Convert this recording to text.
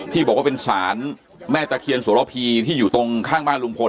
ที่บอกว่าเป็นศาลแม่ตะเคียนโสระพีที่อยู่ตรงข้างบ้านลุงพล